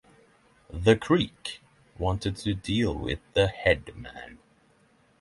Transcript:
The Creek wanted to deal with the 'head man'.